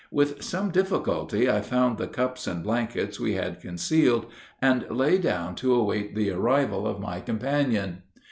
With some difficulty I found the cups and blankets we had concealed, and lay down to await the arrival of my companion.